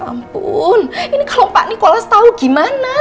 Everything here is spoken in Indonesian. ampun ini kalau pak nikolas tahu gimana